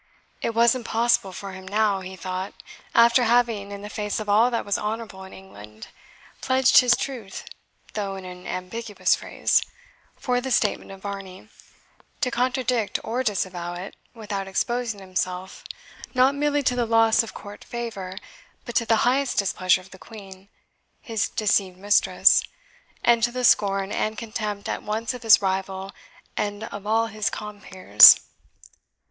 "It was impossible for him now," he thought, "after having, in the face of all that was honourable in England, pledged his truth (though in an ambiguous phrase) for the statement of Varney, to contradict or disavow it, without exposing himself, not merely to the loss of court favour, but to the highest displeasure of the Queen, his deceived mistress, and to the scorn and contempt at once of his rival and of all his compeers."